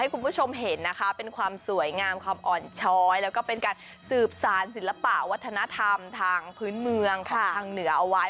คุณผู้ชมเห็นนะคะเป็นความสวยงามความอ่อนช้อยแล้วก็เป็นการสืบสารศิลปะวัฒนธรรมทางพื้นเมืองของทางเหนือเอาไว้